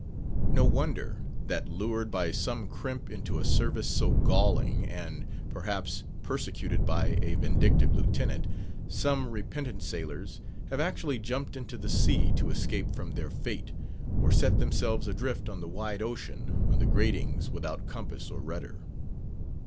No wonder, that lured by some crimp into a service so galling, and, perhaps, persecuted by a vindictive lieutenant, some repentant sailors have actually jumped into the sea to escape from their fate, or set themselves adrift on the wide ocean on the gratings without compass or rudder.